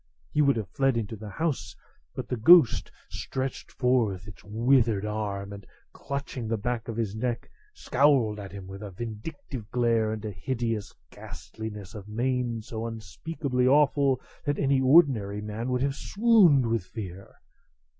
He would have fled into the house, but the ghost stretched forth its withered arm, and, clutching the back of his neck, scowled at him with a vindictive glare and a hideous ghastliness of mien so unspeakably awful that any ordinary man would have swooned with fear.